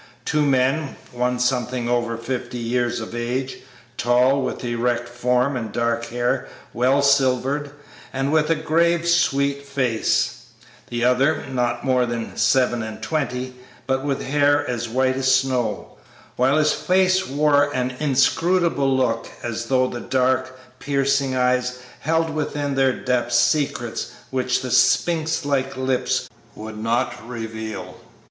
Two men, one something over fifty years of age, tall, with erect form and dark hair well silvered, and with a grave, sweet face; the other not more than seven and twenty, but with hair as white as snow, while his face wore an inscrutable look, as though the dark, piercing eyes held within their depths secrets which the sphinx like lips would not reveal.